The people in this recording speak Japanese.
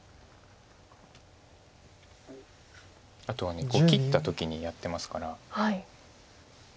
あとは切った時にやってますから。